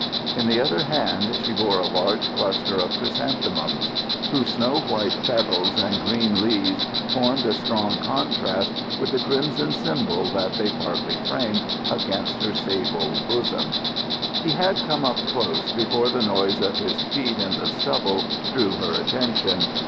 In the other hand she bore a large cluster of chrysanthemums, whose snow white petals and green leaves formed a strong contrast with the crimson symbol that they partly framed against her sable bosom. He had come up close before the noise of his feet in the stubble drew her attention.